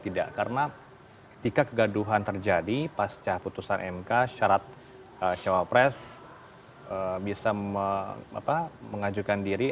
tidak karena ketika kegaduhan terjadi pasca putusan mk syarat cawapres bisa mengajukan diri